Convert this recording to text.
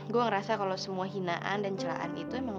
gue ngerasa kalo semua hinaan dan celaan itu emang